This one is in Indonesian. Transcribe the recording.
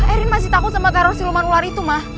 erin masih takut sama karo siluman ular itu mah